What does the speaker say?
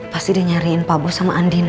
pasti dia nyariin pak bos sama andin